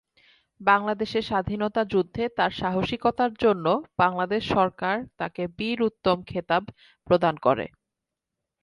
বাংলাদেশের স্বাধীনতা যুদ্ধে তার সাহসিকতার জন্য বাংলাদেশ সরকার তাকে বীর উত্তম খেতাব প্রদান করে।